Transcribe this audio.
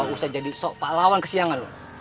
lu bisa jadi sok pak lawan kesiangan lu